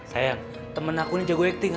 sayang temen aku ini jago acting